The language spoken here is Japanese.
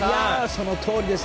そのとおりです。